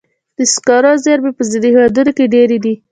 د سکرو زیرمې په ځینو هېوادونو کې ډېرې دي.